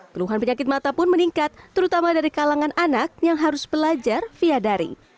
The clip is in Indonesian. keluhan penyakit mata pun meningkat terutama dari kalangan anak yang harus belajar via daring